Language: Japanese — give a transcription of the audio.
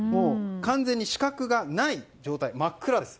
完全に視覚がない状態真っ暗です。